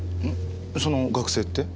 その学生って？